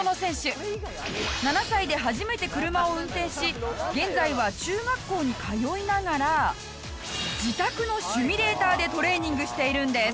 実は現在は中学校に通いながら自宅のシミュレーターでトレーニングしているんです。